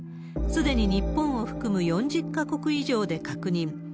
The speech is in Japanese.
すでに日本を含む４０か国以上で確認。